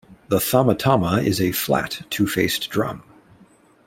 The Thammattama is a flat, two faced drum.